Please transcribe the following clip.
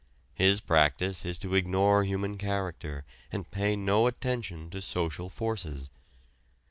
His practice is to ignore human character and pay no attention to social forces.